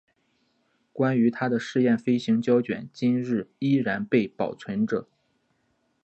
关于他的试验飞行胶卷今日依然被保存着。